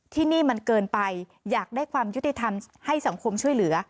ที่นี่มันเกินไปอยากได้ความยุติธรรมให้สังคมช่วยเหลือ